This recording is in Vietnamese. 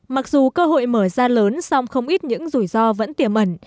mặc dù cơ hội mở ra lớn song không ít những rủi ro vẫn tiềm ẩn